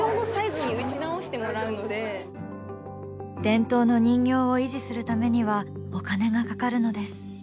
伝統の人形を維持するためにはお金がかかるのです。